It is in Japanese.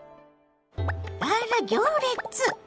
あら行列！